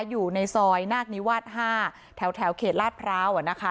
อยู่ในซอยนาคนิวาส๕แถวเขตลาดพร้าว